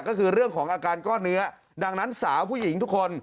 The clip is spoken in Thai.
ก็คือเรื่องของอาการก้อนเนื้อดังนั้นสาวผู้หญิงทุกคน